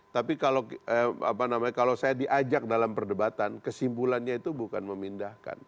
tapi kalau saya diajak dalam perdebatan kesimpulannya itu bukan memindahkan